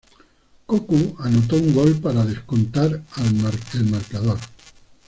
Cocu anotó un gol para descontar el marcador.